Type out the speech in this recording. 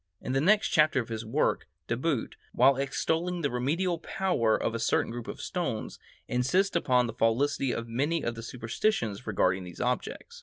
In the next chapter of his work, De Boot, while extolling the remedial power of a certain group of stones, insists upon the falsity of many of the superstitions regarding these objects.